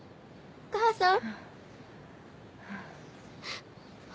お母さん。